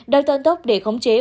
đã tận tốc để khống chế